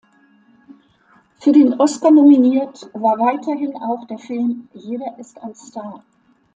Für den Oscar nominiert war weiterhin auch der Film Jeder ist ein Star!